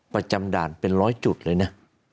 ประจำด่านเป็นร้อยจุดเลยนะ